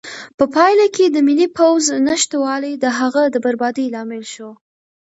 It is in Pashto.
په پایله کې د ملي پوځ نشتوالی د هغه د بربادۍ لامل شو.